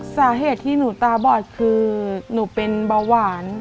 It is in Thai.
สาเหตุที่หนูตาบอดคือหนูเป็นเบาหวาน